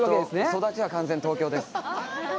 育ちは完全に東京です。